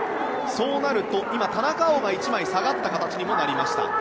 そうなると今、田中碧が１枚下がった形にもなりました。